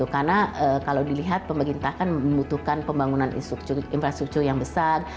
karena kalau dilihat pemerintah kan membutuhkan pembangunan infrastruktur yang besar